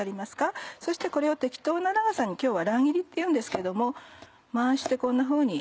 そしてこれを適当な長さに今日は乱切りっていうんですけども回してこんなふうに。